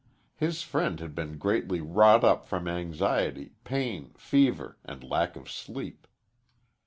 His friend had been greatly wrought up from anxiety, pain, fever, and lack of sleep.